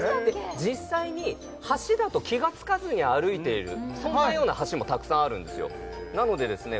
実際に橋だと気がつかずに歩いているそんなような橋もたくさんあるんですよなのでですね